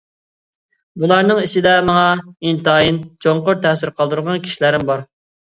بۇلارنىڭ ئىچىدە ماڭا ئىنتايىن چوڭقۇر تەسىر قالدۇرغان كىشىلەرمۇ بار.